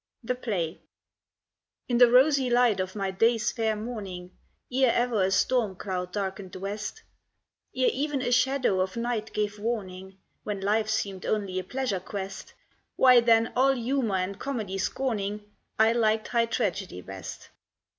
THE PLAY In the rosy light of my day's fair morning, Ere ever a storm cloud darkened the west, Ere even a shadow of night gave warning When life seemed only a pleasure quest, Why then all humour and comedy scorning I liked high tragedy best.